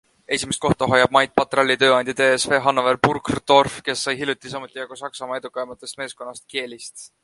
Esimest kohta hoiab Mait Patraili tööandja TSV Hannover-Burgdorf, kes sai hiljuti samuti jagu Saksamaa edukaimast meeskonnast Kielist.